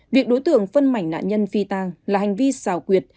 việc đối tượng phân mảnh nạn nhân phi tang là hành vi xào quyệt